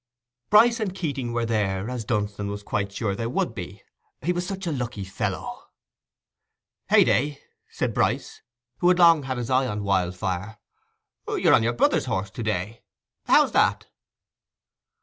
Bryce and Keating were there, as Dunstan was quite sure they would be—he was such a lucky fellow. "Heyday!" said Bryce, who had long had his eye on Wildfire, "you're on your brother's horse to day: how's that?"